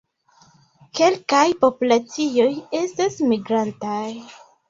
Kelkaj populacioj estas migrantaj.